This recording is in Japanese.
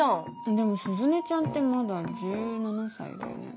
でも鈴音ちゃんってまだ１７歳だよね。